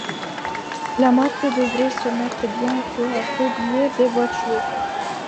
La marque devrait se remettre bientôt à produire des voitures.